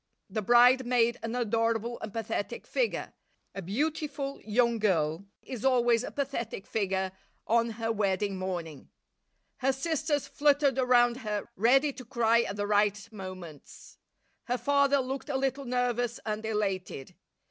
The bride made an adorable and pathetic figure; a beautiful young girl is always a pathetic figure on her wedding morning. Her sisters fluttered around her, ready to cry at the right moments. Her father looked a little nervous and elated.